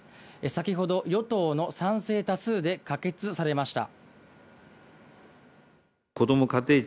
先ほど与党の賛成多数で可決されました。